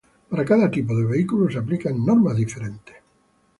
Para cada tipo de vehículo se aplican normas diferentes.